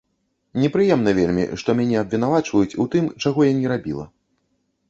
Непрыемна вельмі, што мяне абвінавачваюць у тым, чаго я не рабіла.